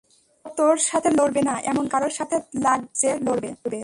ও তোর সাথে লড়বে না, এমন কারো সাথে লাগ যে লড়বে।